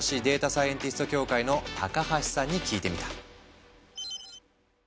サイエンティスト協会の高橋さんに聞いてみた。